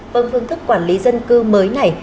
vâng phương thức quản lý dân cư mới này